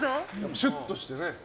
シュッとしててね。